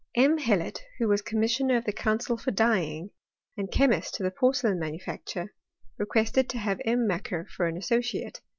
M. Hellot, who was commissioner of the counsel for dyeing, and chemist to the porcelain manufacture, requested to have M. Macquer for an associate.